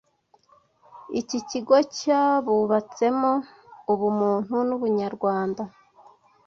Iki kigo cyabubatsemo ubumuntu n’ubunyarwanda